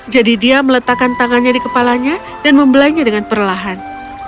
jadi dia meletakkan tangannya di kepalanya dan membelainya dengan perlahan